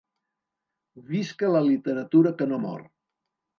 Visca la literatura Que no Mor!